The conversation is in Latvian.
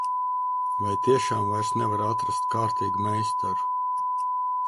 Vai tiešām vairs nevar atrast kārtīgu meistaru?